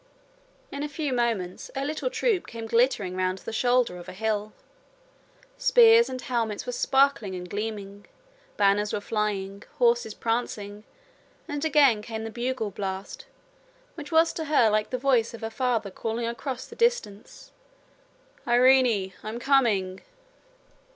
In a few moments a little troop came glittering round the shoulder of a hill. Spears and helmets were sparkling and gleaming, banners were flying, horses prancing, and again came the bugle blast which was to her like the voice of her father calling across the distance: 'Irene, I'm coming.'